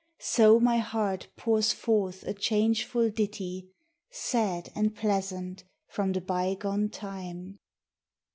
So my heart pours forth a changeful ditty, Sad and pleasant, from the bygone time.